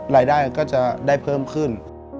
รายได้ก็จะได้เพิ่มขึ้น